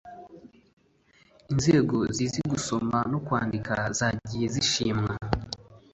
inzego zizi gusoma no kwandika zagiye zishimwa